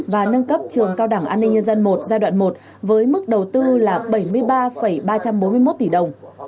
và nâng cấp trường cao đảng an ninh nhân dân i giai đoạn một với mức đầu tư là bảy mươi ba ba trăm bốn mươi một tỷ đồng